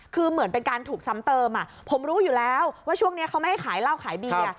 คือเหมือนเป็นการถูกซ้ำเติมผมรู้อยู่แล้วว่าช่วงนี้เขาไม่ให้ขายเหล้าขายเบียร์